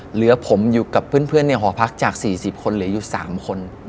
เหลือผมอยู่กับเพื่อนในหอพักจาก๔๐คนเหลืออยู่๓คน